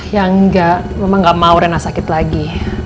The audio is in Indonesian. ya enggak mama gak mau rena sakit lagi